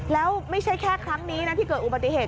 แล้วไม่ใช่แค่ครั้งนี้นะที่เกิดอุบัติเหตุ